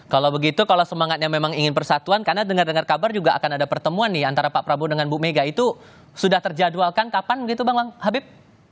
kalau begitu kalau semangatnya memang ingin persatuan karena dengar dengar kabar juga akan ada pertemuan nih antara pak prabowo dengan bu mega itu sudah terjadwalkan kapan begitu bang habib